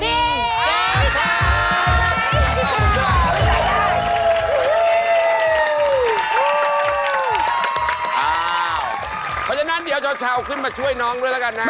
เพราะฉะนั้นเดี๋ยวชาวขึ้นมาช่วยน้องด้วยแล้วกันนะ